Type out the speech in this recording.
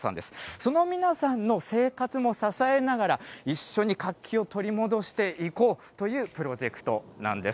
その皆さんの生活も支えながら、一緒に活気を取り戻していこうというプロジェクトなんです。